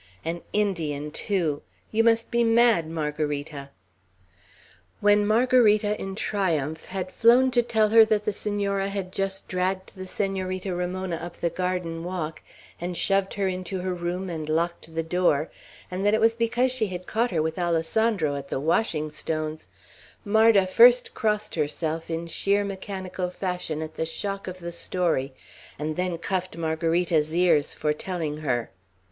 An Indian, too! You must be mad, Margarita!" When Margarita, in triumph, had flown to tell her that the Senora had just dragged the Senorita Ramona up the garden walk, and shoved her into her room and locked the door, and that it was because she had caught her with Alessandro at the washing stones, Marda first crossed herself in sheer mechanical fashion at the shock of the story, and then cuffed Margarita's ears for telling her.